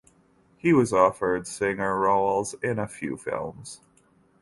He was offered singer roles in a few films.